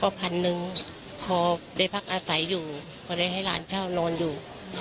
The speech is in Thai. พอพั้นหนึ่งพอเรหักอาศัยอยู่ก็ได้ให้ร้านเช่าล้อนอยู่